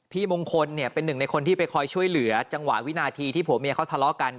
มงคลเนี่ยเป็นหนึ่งในคนที่ไปคอยช่วยเหลือจังหวะวินาทีที่ผัวเมียเขาทะเลาะกัน